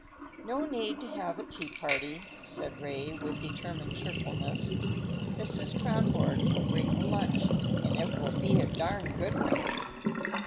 "No need to have a tea party," said Ray with determined cheerfulness. "Mrs. Kronborg will bring the lunch, and it will be a darned good one."